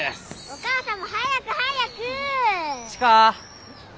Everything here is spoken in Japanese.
お母さんも早く早く！